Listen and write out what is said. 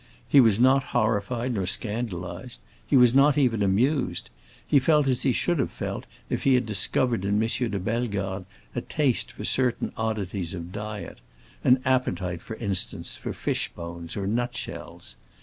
He was not horrified nor scandalized, he was not even amused; he felt as he should have felt if he had discovered in M. de Bellegarde a taste for certain oddities of diet; an appetite, for instance, for fishbones or nutshells.